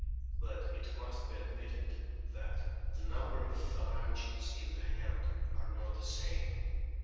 But it must be admitted that the number of phalanges in the hand are not the same.